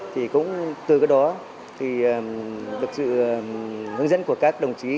thì cũng từ cái đó thì được sự hướng dẫn của các đồng chí